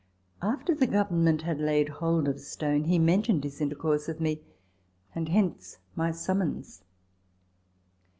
After the Government had laid hold of Stone, he mentioned his intercourse with me ; and hence my summons.